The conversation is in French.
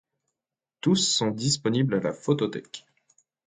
Tous sont disponibles à la photothèque.